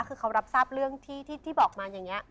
คือเขารับทราบเรื่องที่บอกมาอย่างนี้